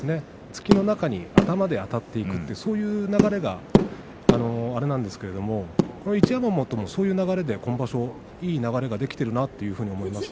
突きの中に頭であたっていくというそういう流れがあるんですけど一山本もそういう中で今場所いい流れができているなと思います。